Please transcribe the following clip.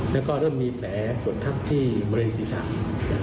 แล้วก็เริ่มมีแปลศูนย์ทักที่มโรนิสีศาสตร์